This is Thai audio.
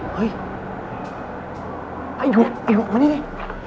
เฮ้ยไอ้หัวไอ้หัวมานี่นี่